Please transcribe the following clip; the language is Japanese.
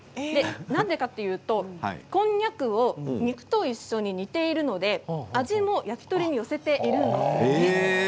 なんでかというと、こんにゃくを肉と一緒に煮ているので味も焼き鳥に寄せているんです。